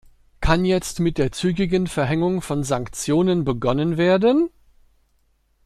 Kann jetzt mit der zügigen Verhängung von Sanktionen begonnen werden?